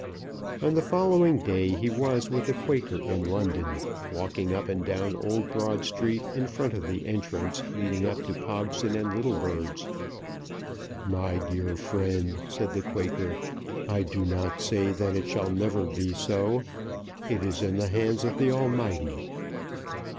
On the following day he was with the Quaker in London, walking up and down Old Broad Street in front of the entrance leading up to Pogson and Littlebird's. "My dear friend," said the Quaker, "I do not say that it shall never be so. It is in the hands of the Almighty."